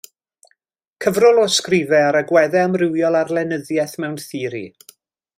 Cyfrol o ysgrifau ar agweddau amrywiol ar lenyddiaeth mewn theori.